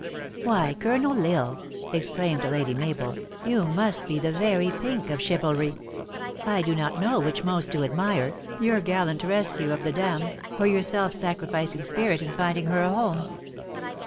"Why Colonel L lsle," exclaimed Lady Mabel, " you must be the very pink of chivalry. I do not know which most to admire, your gallant rescue of the dame, or your self sacrificing spirit in finding her a home."